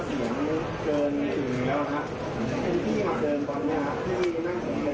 ทีที่มาเชิญตอนนี้นะครับที่นั่งของเขาเนี่ยเขามาสอบว่า